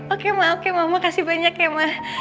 oke ma oke mama kasih banyak ya ma